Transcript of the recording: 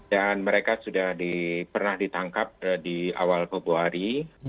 dan mereka sudah pernah ditangkap di awal februari